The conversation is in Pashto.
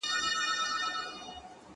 • دصدقېجاريېزوردیتردېحدهپورې..